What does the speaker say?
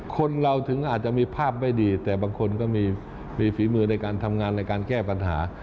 คนเราถึงอาจจะมีภาพไม่ดีแต่บางคนก็มีฝีมือในการทำงานในการแก้ปัญหา